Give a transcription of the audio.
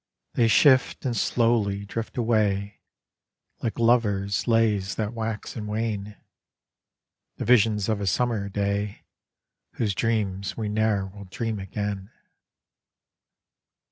v ■• They shift and slowly drift away Like lovers' lays that wax and wane, The visions of a summer—day Vfhose dreams we ne'er will dream again.